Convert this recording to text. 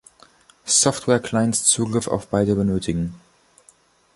Software-Clients Zugriff auf beide benötigen.